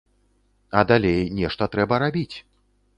А далей нешта трэба рабіць.